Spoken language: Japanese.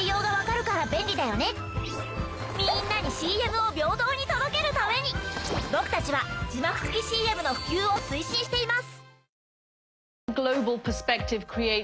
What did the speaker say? みんなにＣＭを平等に届けるために僕たちは字幕付きＣＭの普及を推進しています。